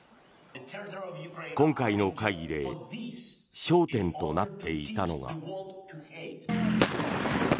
今回の会議で焦点となっていたのが。